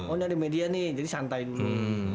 oh ini ada media nih jadi santai dulu